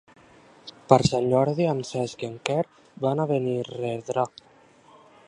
Per Sant Jordi en Cesc i en Quer van a Benirredrà.